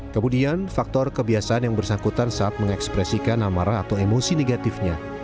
kemudian faktor kebiasaan yang bersangkutan saat mengekspresikan amarah atau emosi negatifnya